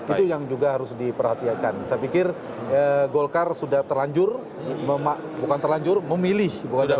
itu yang juga harus diperhatikan saya pikir golkar sudah terlanjur bukan terlanjur memilih